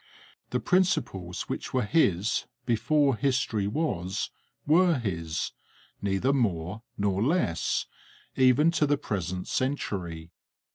The principles which were his before history was, were his, neither more nor less, even to the present century.